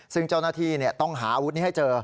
ซึ่งเจ้าหน้าที่ต้องหาอาวุธนี้ให้เจอ